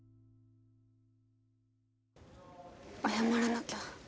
謝らなきゃ。